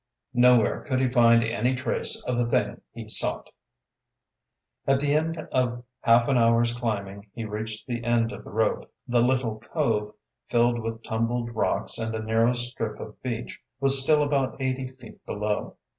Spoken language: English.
Nowhere could he find any trace of the thing he sought. At the end of half an hour's climbing, he reached the end of the rope. The little cove, filled with tumbled rocks and a narrow strip of beach, was still about eighty feet below.